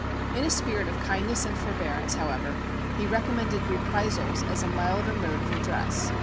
In a spirit of kindness and forbearance, however, he recommended reprisals as a milder mode of redress.